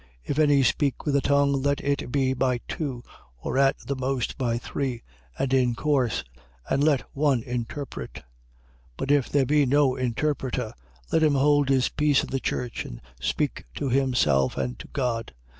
14:27. If any speak with a tongue, let it be by two, or at the most by three, and in course: and let one interpret. 14:28. But if there be no interpreter, let him hold his peace in the church and speak to himself and to God.